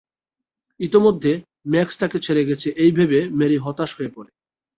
ইতোমধ্যে, ম্যাক্স তাকে ছেড়ে গেছে এই ভেবে ম্যারি হতাশ হয়ে পড়ে।